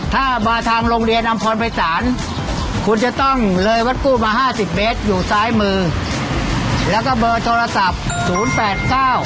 ถ้ามาทางโรงเรียนอำพรไพรศาลคุณจะต้องเลยวัดกู้มา๕๐เบตอยู่ซ้ายมือแล้วก็เบอร์โทรศัพท์๐๘๙๒๑๘๒๗๙๔